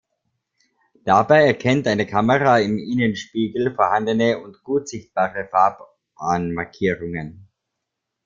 Dabei erkennt eine Kamera im Innenspiegel vorhandene und gut sichtbare Fahrbahnmarkierungen.